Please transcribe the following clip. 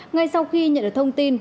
ngay sau khi nhận được thông tin